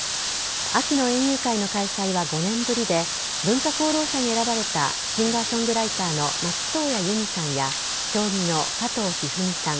秋の園遊会の開催は５年ぶりで文化功労者に選ばれたシンガーソングライターの松任谷由実さんや将棋の加藤一二三さん